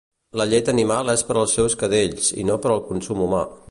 La llet animal és per els seus cadells i no per consum humà